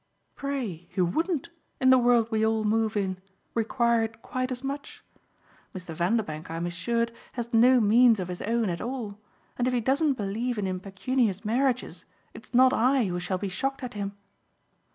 "Pray who wouldn't in the world we all move in require it quite as much? Mr. Vanderbank, I'm assured, has no means of his own at all, and if he doesn't believe in impecunious marriages it's not I who shall be shocked at him.